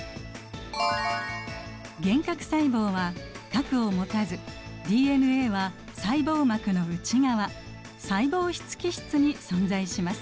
原核細胞は核を持たずＤＮＡは細胞膜の内側細胞質基質に存在します。